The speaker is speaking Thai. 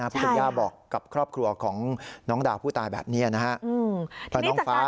พุทธยาบอกกับครอบครัวของน้องดาวผู้ตายแบบนี้นะฮะ